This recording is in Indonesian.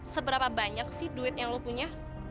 seberapa banyak sih duit yang lu punya